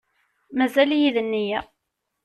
Mazal-iyi d nneyya.